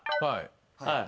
はい。